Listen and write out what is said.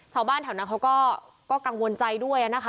ชาวบ้านแถวนั้นเขาก็กังวลใจด้วยนะคะ